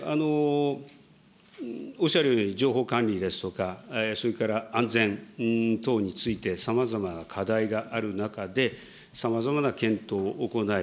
おっしゃるように、情報管理ですとか、それから安全等について、さまざまな課題がある中で、さまざまな検討を行い、